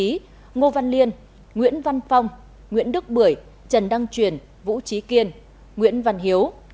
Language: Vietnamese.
đảng ủy nguyễn văn liên nguyễn văn phong nguyễn đức bưởi trần đăng truyền vũ trí kiên nguyễn văn hiếu